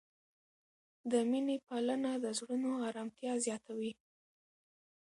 د مینې پالنه د زړونو آرامتیا زیاتوي.